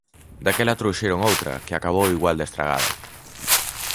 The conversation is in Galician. Daquela trouxeron outra, que acabou igual de estragada.